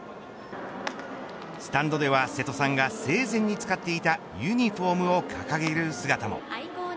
スタンドでは瀬戸さんが生前に使っていたユニホームを掲げる姿も。